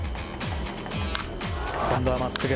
今度はまっすぐ。